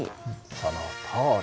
そのとおり。